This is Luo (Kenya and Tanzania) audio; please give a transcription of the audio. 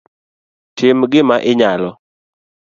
Tim gima inyalo